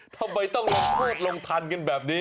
ทำไมต้องลงโทษลงทันกันแบบนี้